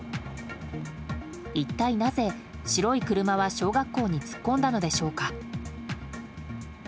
一体なぜ、白い車は小学校に突っ込んだのでしょうか。